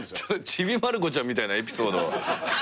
『ちびまる子ちゃん』みたいなエピソード。